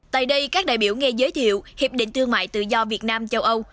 tại đây các đại biểu nghe giới thiệu hiệp định thương mại tự do việt nam châu âu